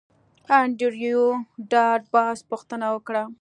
انډریو ډاټ باس پوښتنه وکړه